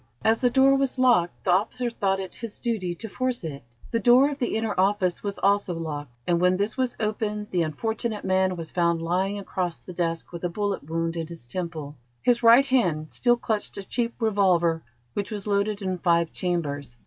As the door was locked, the officer thought it his duty to force it. The door of the inner office was also locked, and when this was opened, the unfortunate man was found lying across the desk with a bullet wound in his temple. His right hand still clutched a cheap revolver which was loaded in five chambers.